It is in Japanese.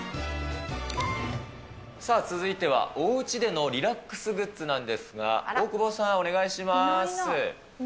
続いてはおうちでのリラックスグッズなんですが、大久保さん、お願いします。